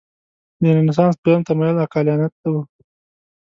د رنسانس دویم تمایل عقلانیت و.